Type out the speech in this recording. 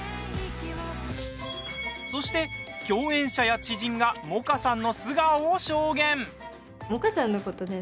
そして、共演者や知人が萌歌さんの素顔を証言。